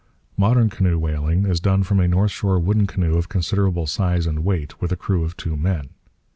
Modern canoe whaling is done from a North Shore wooden canoe of considerable size and weight with a crew of two men.